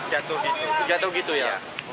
jatuh gitu ya